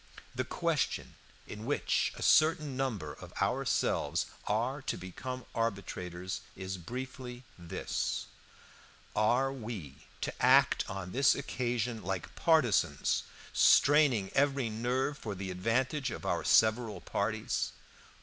"The question in which a certain number of ourselves are to become arbitrators is briefly this: Are we to act on this occasion like partisans, straining every nerve for the advantage of our several parties?